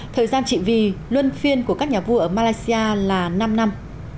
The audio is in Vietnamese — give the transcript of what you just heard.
thời gian trị vì luân phiên của các nhà vua ở malaysia là năm năm